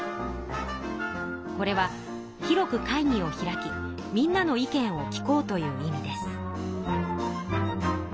これは「広く会議を開きみんなの意見を聞こう」という意味です。